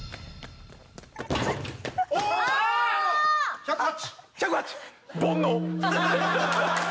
あ、１０８。